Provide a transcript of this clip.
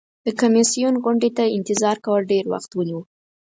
د کمیسیون غونډې ته انتظار کول ډیر وخت ونیو.